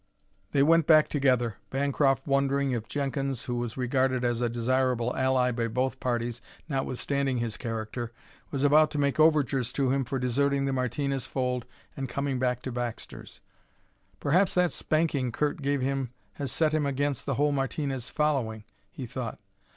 They went back together, Bancroft wondering if Jenkins, who was regarded as a desirable ally by both parties, notwithstanding his character, was about to make overtures to him for deserting the Martinez fold and coming back to Baxter's. "Perhaps that spanking Curt gave him has set him against the whole Martinez following," he thought.